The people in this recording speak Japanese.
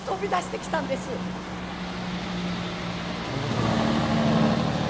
桃太郎はどんな子でした？